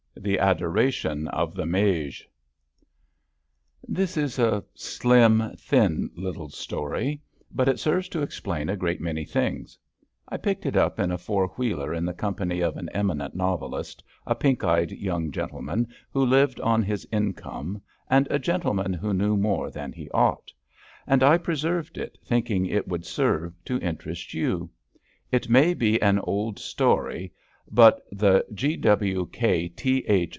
THE ADORATION OF THE MAGE rpHIS is a slim, thin little story, but it serves ^ to explain a great many things, I picked it up in a four wheeler in the company of an eminent novelist, a pink eyed young gentleman who lived on his income, and a gentleman who knew more than he ought; and I preserved it, thinking it would serve to interest you. It may be an old story, but the G.W.K.T.